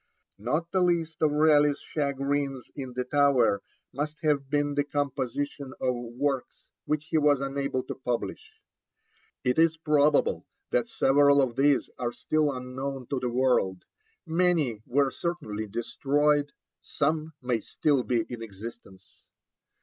Not the least of Raleigh's chagrins in the Tower must have been the composition of works which he was unable to publish. It is probable that several of these are still unknown to the world; many were certainly destroyed, some may still be in existence.